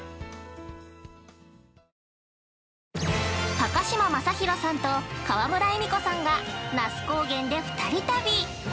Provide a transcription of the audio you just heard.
◆高嶋政宏さんと川村エミコさんが那須高原で２人旅。